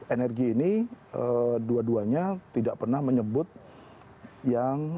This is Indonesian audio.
energi ini dua duanya tidak pernah menyebut yang